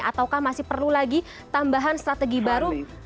ataukah masih perlu lagi tambahan strategi baru